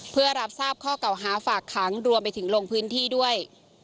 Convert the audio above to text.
เพื่อรับทราบข้อเก่าหาฝากขังรวมไปถึงลงพื้นที่ด้วย